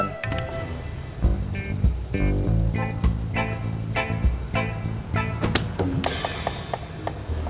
jangan sampai ajun tiga kali jadi korban